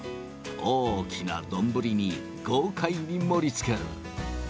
大きな丼に豪快に盛りつける。